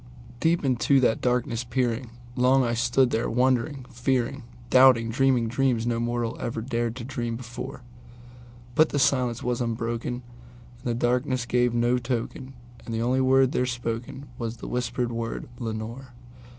Deep into that darkness peering, long I stood there wondering, fearing, Doubting, dreaming dreams no mortals ever dared to dream before; But the silence was unbroken, and the stillness gave no token, And the only word there spoken was the whispered word, "Lenore?"